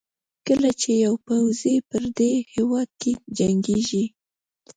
کله چې یو پوځي په پردي هېواد کې جنګېږي.